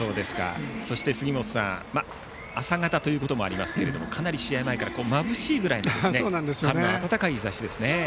そして杉本さん朝方ということもありますがかなり試合前からまぶしいぐらいの春の暖かい日ざしですね。